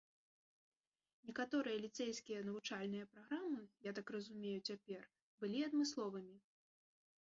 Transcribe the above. Некаторыя ліцэйскія навучальныя праграмы, я так разумею цяпер, былі адмысловымі.